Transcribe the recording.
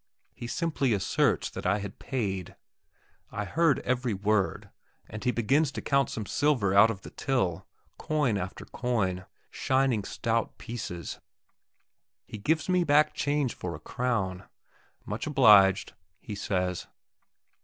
He simply asserts that I had paid. I heard every word, and he begins to count some silver out of the till, coin after coin, shining stout pieces. He gives me back change for a crown. "Much obliged," he says.